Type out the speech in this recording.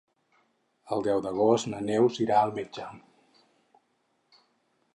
El deu d'agost na Neus irà al metge.